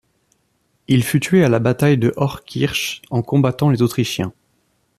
Il fut tué à la bataille de Hochkirch en combattant les Autrichiens.